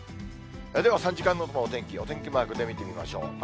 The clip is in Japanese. では３時間ごとのお天気、お天気マークで見てみましょう。